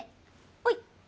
はい。